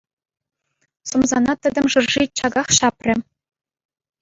Сӑмсана тӗтӗм шӑрши чаках ҫапрӗ.